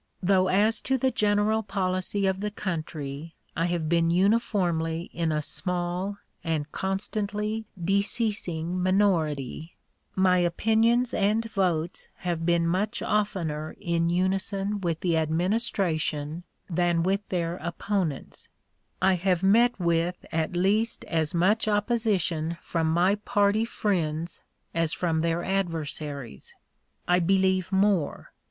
Though as to the general policy of the country I have been uniformly in a small, and constantly deceasing minority; my opinions and votes have been much oftener in unison with the Administration than with (p. 068) their opponents; I have met with at least as much opposition from my party friends as from their adversaries, I believe more.